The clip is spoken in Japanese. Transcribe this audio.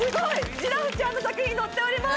ジラフちゃんの作品載っております！